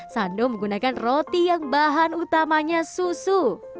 sando menggunakan roti yang bahan utamanya susu